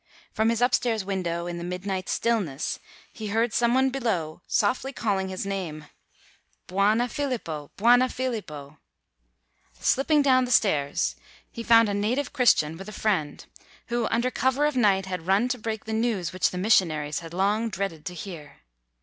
From his upstairs window, in the midnight stillness, he heard some one below softly calling his name, "Bwana Philipo! Bwana Philipo." Slip ping down stairs, he found a native Chris tian with a friend, who under cover of the night had run to break the news which the missionaries had long dreaded to hear.